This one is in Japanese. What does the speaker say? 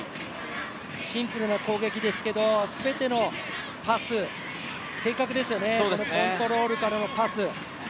シンプルな攻撃ですけれども全てのパスが正確ですよね、このコントロールからのパス。